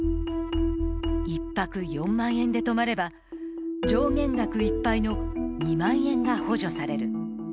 １泊４万円で泊まれば、上限額いっぱいの２万円が補助される。